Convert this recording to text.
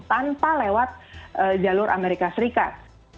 tanpa lewat jalur amerika serikat